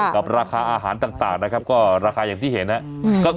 กับราคาอาหารต่างนะราคาอย่างที่เห็นนะ